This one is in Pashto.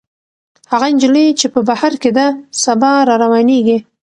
هغه نجلۍ چې په بهر کې ده، سبا راروانېږي.